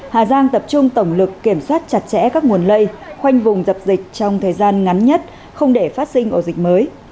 hà giang tập trung tổng lực kiểm soát chặt chẽ các nguồn lây khoanh vùng dập dịch trong thời gian ngắn nhất không để phát sinh ổ dịch mới